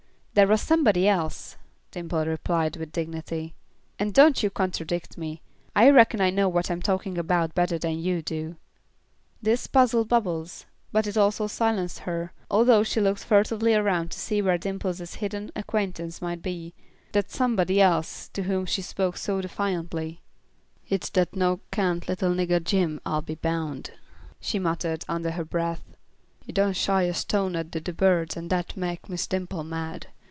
"There was somebody else," Dimple replied, with dignity. "And don't you contradict me. I reckon I know what I'm talking about better than you do." This puzzled Bubbles, but it also silenced her, although she looked furtively around to see where Dimple's hidden acquaintance might be; that somebody else to whom she spoke so defiantly. "Hit's dat no 'count little niggah Jim, I'll be bound," she muttered, under her breath. "He done shy a stone at the de birds and dat mek Miss Dimple mad.